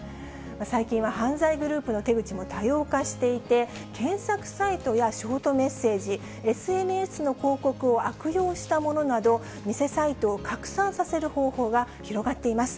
最近は犯罪グループの手口も多様化していて、検索サイトやショートメッセージ、ＳＮＳの広告を悪用したものなど、偽サイトを拡散させる方法が広がっています。